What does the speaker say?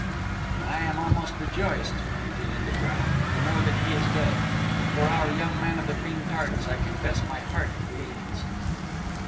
"I am almost rejoiced," continued the Colonel, "to know that he is dead. But for our young man of the cream tarts I confess my heart bleeds."